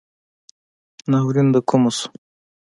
ناورین دکومه شو